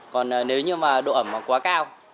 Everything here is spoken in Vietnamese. còn nếu như mà độ ẩm mà quá cao